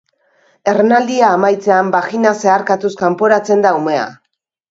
Ernaldia amaitzean, bagina zeharkatuz kanporatzen da umea.